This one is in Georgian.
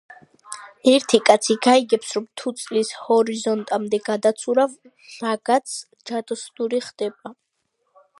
ერთი კაცი გაიგებს ,რომ თუ წლის ჰორიზონტამდე გადაცურავ, რაგაც ჯადოსნური ხდება